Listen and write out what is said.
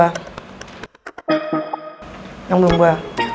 yang belum gue